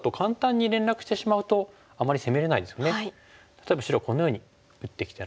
例えば白このように打ってきたら。